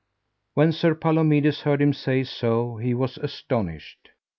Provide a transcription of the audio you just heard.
When Sir Palomides heard him say so he was astonied.